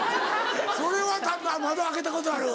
それは窓開けたことある。